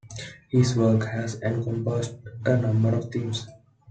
His work has encompassed a number of themes.